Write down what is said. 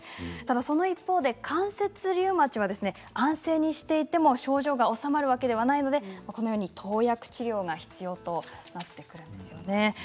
その一方で関節リウマチは安静にしていても症状が治まるわけではないので投薬治療が必要となってくるんですよね。